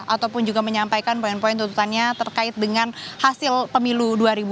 ataupun juga menyampaikan poin poin tuntutannya terkait dengan hasil pemilu dua ribu dua puluh